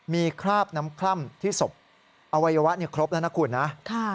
มีคราบน้ำคล่ำที่ศพอวัยวะครบแล้วนะคุณนะ